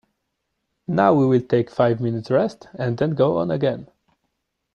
Now we will take five minutes' rest, and then go on again.